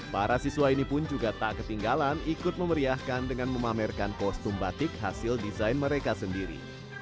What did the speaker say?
para siswa ini pun juga tak ketinggalan ikut memeriahkan dengan memamerkan kostum batik hasil desain mereka sendiri